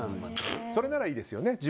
それならいいですよね。